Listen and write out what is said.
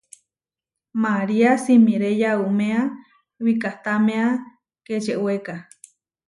María simiré yauméa wikahtámea Kečewéka.